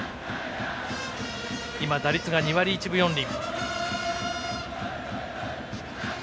今、打率が２割１分４厘。